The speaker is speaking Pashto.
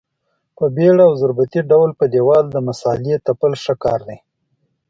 په بېړه او ضربتي ډول په دېوال د مسالې تپل ښه کار دی.